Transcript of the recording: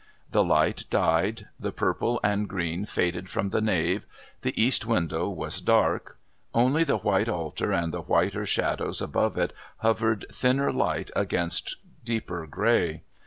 The light died; the purple and green faded from the nave the East window was dark only the white altar and the whiter shadows above it hovered, thinner light against deeper grey.